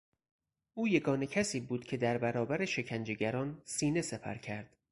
او یگانه کسی بود که در برابر شکنجهگران سینه سپر کرد.